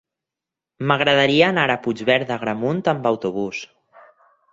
M'agradaria anar a Puigverd d'Agramunt amb autobús.